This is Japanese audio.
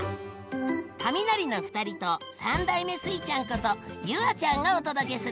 カミナリの２人と３代目スイちゃんこと夕空ちゃんがお届けする。